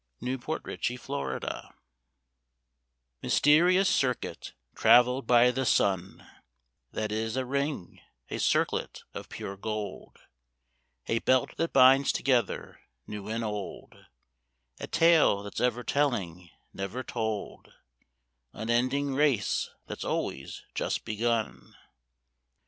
'* 1 19 XTbe IRittg M YSTERIOUS circuit travelled by the sun That is a ring, a circlet of pure gold, A belt that binds together new and old, A tale that's ever telling, never told Un ending race that's always just begun.